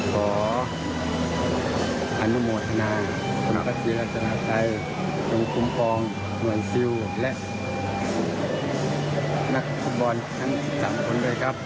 ขออนุโมทนาคมตัวจริงจำนักรัฐสามารถใจงงกุ้มพองรวมนิสิวและนักคุณปอนดิ์๓คนด้วยครับ